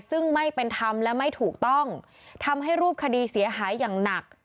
ซึ่งไม่เป็นธรรมและไม่ถูกต้องทำให้รูปคดีเสียหายอย่างหนัก